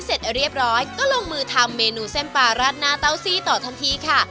เสร็จเรียบร้อยก็ลงมือทำเมนูเส้นปลาราดหน้าเต้าซี่ต่อทันทีค่ะ